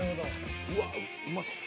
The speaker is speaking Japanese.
うわうまそう。